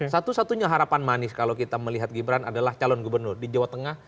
satu satunya harapan manis kalau kita melihat gibran adalah calon gubernur di jawa tengah